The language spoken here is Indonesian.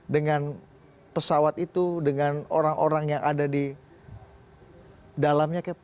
dengan pesawat itu dengan orang orang yang ada di dalamnya